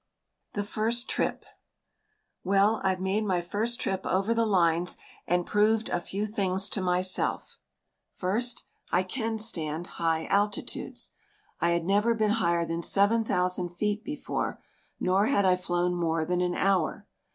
THE FIRST TRIP Well, I've made my first trip over the lines and proved a few things to myself. First, I can stand high altitudes. I had never been higher than 7,000 feet before, nor had I flown more than an hour.